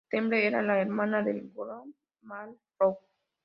Temple era la hermana de Coghlan, Mary Lou.